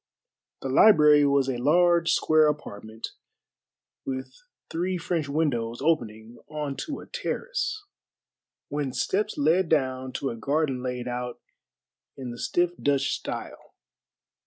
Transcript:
The library was a large square apartment, with three French windows opening on to a terrace, whence steps led down to a garden laid out in the stiff Dutch style.